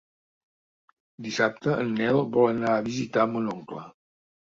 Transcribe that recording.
Dissabte en Nel vol anar a visitar mon oncle.